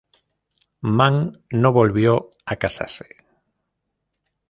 Mann no volvió a casarse.